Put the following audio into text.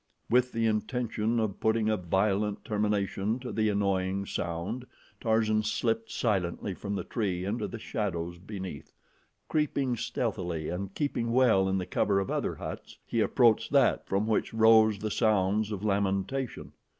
With the intention of putting a violent termination to the annoying sound, Tarzan slipped silently from the tree into the shadows beneath. Creeping stealthily and keeping well in the cover of other huts, he approached that from which rose the sounds of lamentation.